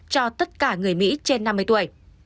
cho tất cả người mỹ trên năm mươi tuổi